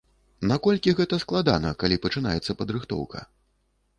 Наколькі гэта складана, калі пачынаецца падрыхтоўка?